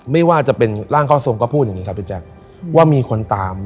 ไม่ว่าจะเป็นร่างเข้าทรงก็พูดอย่างนี้ครับพี่แจ๊คว่ามีคนตาม